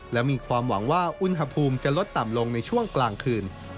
และมีความหวังว่าอุณหภูมิจะลดต่ำลงในช่วงกลางคืน